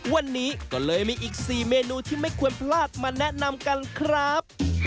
วันนี้ก็เลยมีอีก๔เมนูที่ไม่ควรพลาดมาแนะนำกันครับ